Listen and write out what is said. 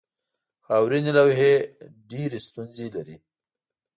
خاورینې لوحې ډېرې ستونزې لري.